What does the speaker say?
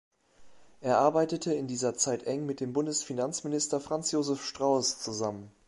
Er arbeitete in dieser Zeit eng mit dem Bundesfinanzminister Franz Josef Strauß zusammen.